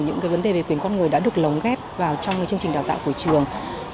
những vấn đề về quyền con người đã được lồng ghép vào trong chương trình đào tạo của trường